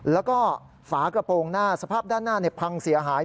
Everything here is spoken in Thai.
แล้วก็ฝากระโปรงหน้าสภาพด้านหน้าพังเสียหาย